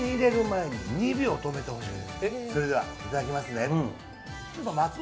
それでは、いただきますね。